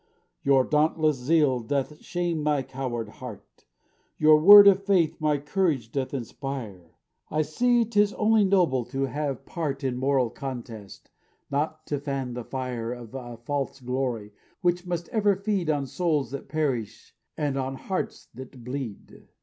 "Your dauntless zeal doth shame my coward heart; Your word of faith my courage doth inspire; I see 'tis only noble to have part In moral contest; not to fan the fire Of a false glory, which must ever feed On souls that perish, and on hearts that bleed.